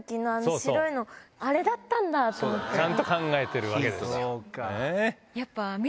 ちゃんと考えてるわけです。